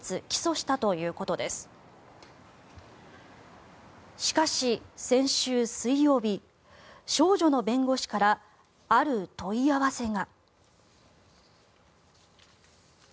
しかし、先週水曜日少女の弁護士からある問い合わせが。